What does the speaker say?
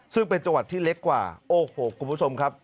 ซึ่งเป็นจังหวัดที่เล็กกว่าโอ้โหคุณผู้ชมครับ